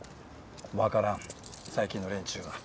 わからん最近の連中は。